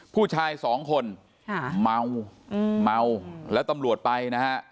ผู้ชายสองคนค่ะเมาเมาแล้วตำรวจไปนะฮะ